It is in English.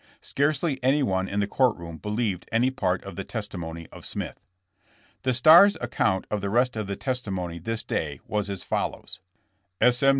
Scarcely anyone in the court room believed any part of the testimony of Smith. The Star's account of the rest of the testimony this day was as follows: *'S. M.